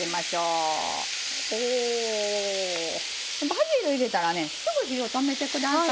バジル入れたらねすぐ火を止めてください。